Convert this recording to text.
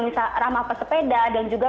misalnya ramah pesepeda dan juga